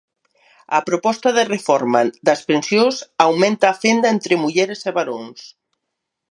A proposta de reforma das pensións aumenta a fenda entre mulleres e varóns.